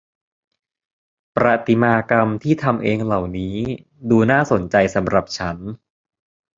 ประติมากรรมที่ทำเองเหล่านี้ดูน่าสนใจสำหรับฉัน